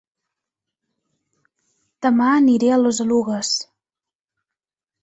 Dema aniré a Les Oluges